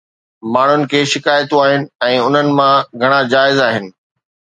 ماڻهن کي شڪايتون آهن ۽ انهن مان گهڻا جائز آهن.